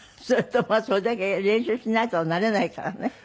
それとそれだけ練習しないとなれないからね。